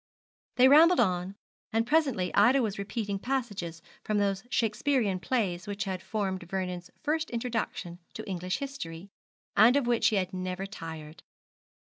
They rambled on, and presently Ida was repeating passages from those Shakespearian plays which had formed Vernon's first introduction to English history, and of which he had never tired.